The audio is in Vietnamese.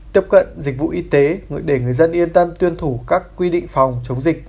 tiếp cận dịch vụ y tế để người dân yên tâm tuân thủ các quy định phòng chống dịch